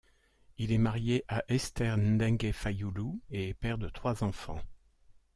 Il est marié à Esther Ndengue Fayulu et est père de trois enfants.